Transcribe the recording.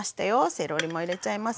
セロリも入れちゃいますよ。